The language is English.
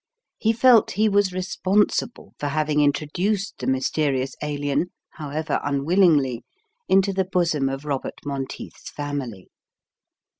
He felt he was responsible for having introduced the mysterious Alien, however unwillingly, into the bosom of Robert Monteith's family.